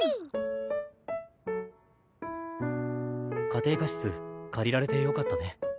家庭科室借りられてよかったね。